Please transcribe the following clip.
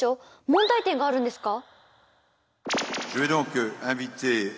問題点があるんですか？